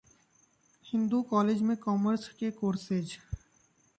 Hindu college में commerce के courses